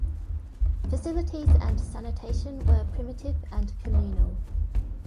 Facilities and sanitation were primitive, and communal.